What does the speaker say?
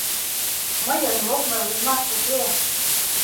— Мыйын мокмыр лиймаш уке.